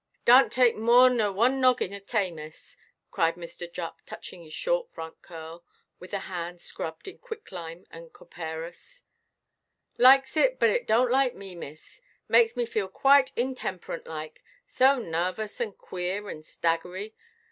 "Darrnʼt take more nor one noggin of tay, miss," cried Mr. Jupp, touching his short front curl with a hand scrubbed in quick–lime and copperas; "likes it, but it donʼt like me, miss. Makes me feel quite intemperant like,—so narvous, and queer, and staggery.